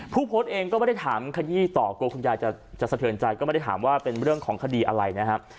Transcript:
ผู้โพสต์เองก็ไม่ได้ถามขยี้ต่อกลัวคุณยายจะสะเทินใจก็ไม่ได้ถามว่าเป็นเรื่องของคดีอะไรนะครับ